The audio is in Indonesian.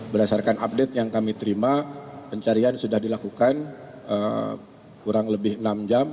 berdasarkan update yang kami terima pencarian sudah dilakukan kurang lebih enam jam